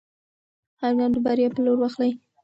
هر ګام د بریا په لور واخلئ.